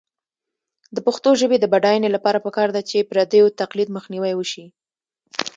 د پښتو ژبې د بډاینې لپاره پکار ده چې پردیو تقلید مخنیوی شي.